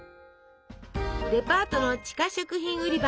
デパートの地下食品売り場。